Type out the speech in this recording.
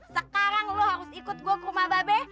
sekarang lu harus ikut gua ke rumah babe